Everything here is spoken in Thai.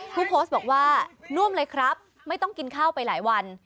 ผู้โพสต์บอกว่าน่วมเลยครับไม่ต้องกินข้าวไปหลายวัน